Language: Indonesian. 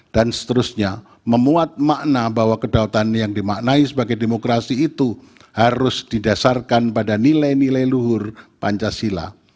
dan seterusnya memuat makna bahwa kedotan yang dimaknai sebagai demokrasi itu harus didasarkan pada nilai nilai luhur pancasila